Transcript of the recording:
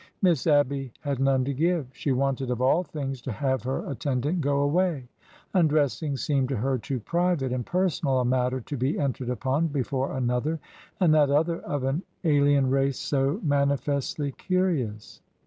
Miss Abby had none to give. She wanted of all things to have her attendant go away. LFndressing seemed to her too private and personal a matter to be entered upon before another, and that other of an alien race so mani festly curious.